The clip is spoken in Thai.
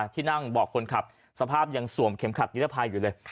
ที่นั่งบอกคนขับสภาพยังสวมเข็มขัดนิรภัยอยู่เลย